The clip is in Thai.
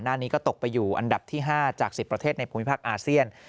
หน้านี้ก็ตกไปอยู่อันดับที่๕จาก๑๐ประเทศในภูมิภาคอาเซียน